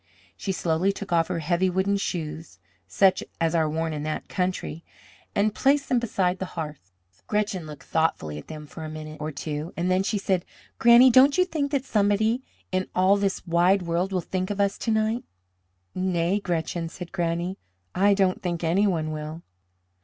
She slowly took off her heavy wooden shoes, such as are worn in that country, and placed them beside the hearth. Gretchen looked thoughtfully at them for a minute or two, and then she said, "Granny, don't you think that somebody in all this wide world will think of us to night?" "Nay, Gretchen," said Granny, "I don't think any one will."